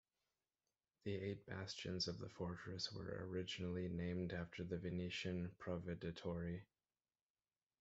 The eight bastions of the fortress were originally named after the Venetian "provveditori".